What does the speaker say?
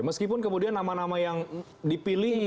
meskipun kemudian nama nama yang dipilih